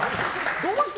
どうして？